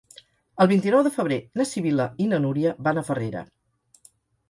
El vint-i-nou de febrer na Sibil·la i na Núria van a Farrera.